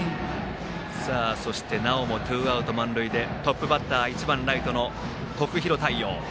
そしてなおもツーアウト、満塁でトップバッター１番の徳弘太陽。